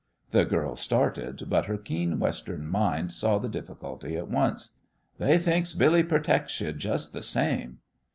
The girl started, but her keen Western mind saw the difficulty at once. "They thinks Billy pertects you jest th' same."